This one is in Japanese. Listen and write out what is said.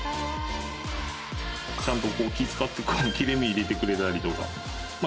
ちゃんとこう気遣って切り目入れてくれたりとかまあ